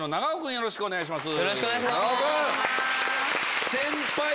よろしくお願いします。